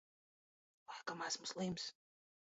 Laikam esmu slims.